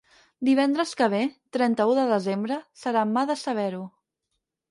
Divendres que ve, trenta-u de desembre, serà mà de saber-ho.